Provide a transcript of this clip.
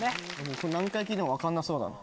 何回聞いても分かんなそうだ。